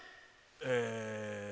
ええ。